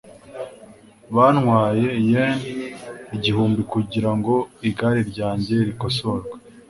Byantwaye yen igihumbi kugirango igare ryanjye rikosorwe.